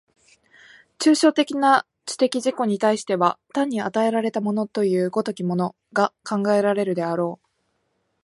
抽象的な知的自己に対しては単に与えられたものという如きものが考えられるであろう。